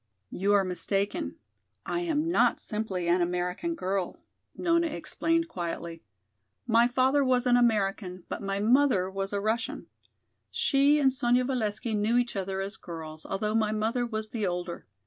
"You are mistaken. I am not simply an American girl," Nona explained quietly. "My father was an American, but my mother was a Russian. She and Sonya Valesky knew each other as girls, although my mother was the older.